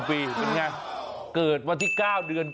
ปีเป็นไงเกิดวันที่๙เดือน